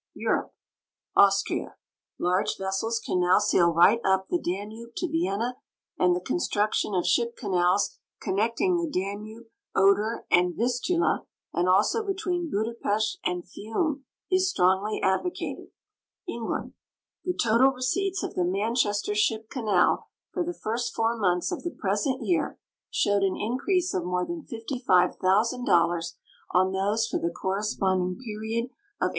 EUROPE Austria. Large vessels can now sail right up the Danube to Vienna, and tlie construction of ship canals connecting the Danube, Oder, and Vistula, and also between Budapest and Fiume, is strongly advocated. E.ngl.vnd. Tlie total receipts of the Manchester Ship Canal for the first four months of the present year showed an increase of more than $55,000 on those for the corre.sponding period of 1895.